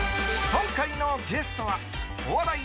今回のゲストはお笑い